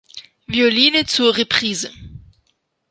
Violine zur Reprise.